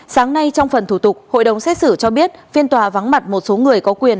sáng nay trong phần thủ tục hội đồng xét xử cho biết phiên tòa vắng mặt một số người có quyền